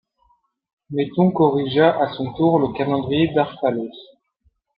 Méton corrigea à son tour le calendrier d'Harpalos.